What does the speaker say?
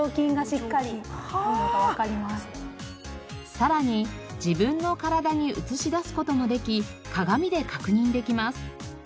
さらに自分の体に映し出す事もでき鏡で確認できます。